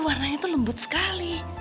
warnanya tuh lembut sekali